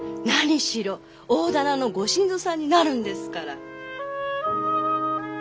何しろ大店のご新造さんになるんですから。